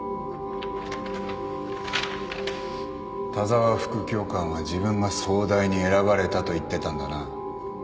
田澤副教官は自分が総代に選ばれたと言ってたんだな。